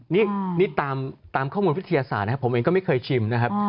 นี่ตามข้อมูลวิทยาศาสตร์นะครับผมเองก็ไม่เคยชิมนะครับ